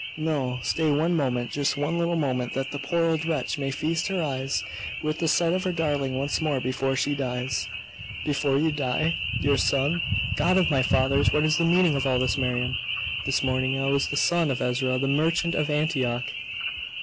No; stay one moment just one little moment that the poor old wretch may feast her eyes with the sight of her darling once more before she dies!' 'Before you die? Your son? God of my fathers, what is the meaning of all this, Miriam? This morning I was the son of Ezra the merchant of Antioch!